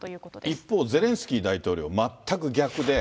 一方、ゼレンスキー大統領、全く逆で。